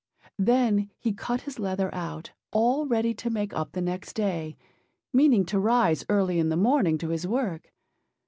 Then he cut his leather out, all ready to make up the next day, meaning to rise early in the morning to his work.